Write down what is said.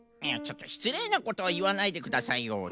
いやちょっとしつれいなことをいわないでくださいよ。